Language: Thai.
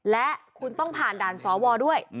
และคุณต้องผ่านด่านสวด้วย